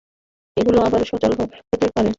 ওগুলো আবার সচল হতে পারে।